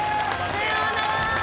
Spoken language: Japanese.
さようなら！